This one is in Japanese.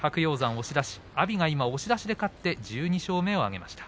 阿炎が押し出しで勝って１２勝目を挙げました。